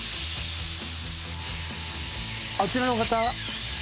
あちらの方？